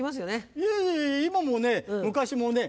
いえいえ今もね昔もね